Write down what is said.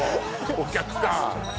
お客さん